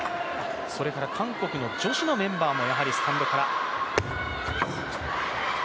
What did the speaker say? それから韓国の女子のメンバーもスタンドから。